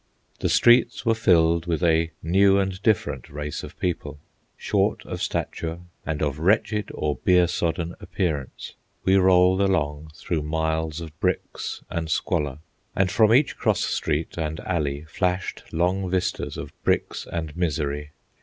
The streets were filled with a new and different race of people, short of stature, and of wretched or beer sodden appearance. We rolled along through miles of bricks and squalor, and from each cross street and alley flashed long vistas of bricks and misery.